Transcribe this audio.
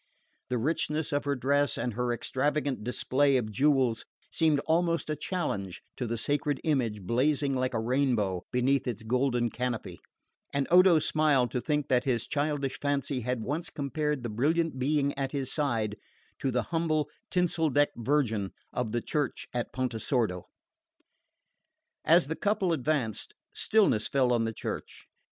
The richness of her dress and her extravagant display of jewels seemed almost a challenge to the sacred image blazing like a rainbow beneath its golden canopy; and Odo smiled to think that his childish fancy had once compared the brilliant being at his side to the humble tinsel decked Virgin of the church at Pontesordo. As the couple advanced, stillness fell on the church.